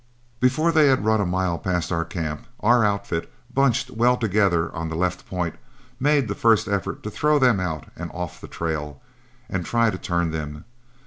Before they had run a mile past our camp, our outfit, bunched well together on the left point, made the first effort to throw them out and off the trail, and try to turn them.